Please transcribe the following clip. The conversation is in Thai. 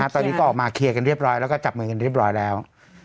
ตอนนี้ก็ออกมาเคลียร์กันเรียบร้อยแล้วก็จับมือกันเรียบร้อยแล้ว